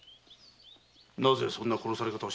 なぜそんな殺され方を？